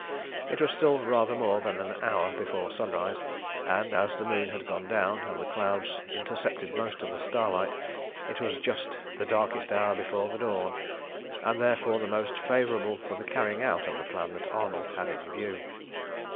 It was still rather more than an hour before sunrise, and, as the moon had gone down, and the clouds intercepted most of the starlight, it was just "the darkest hour before the dawn," and therefore the most favourable for the carrying out of the plan that Arnold had in view.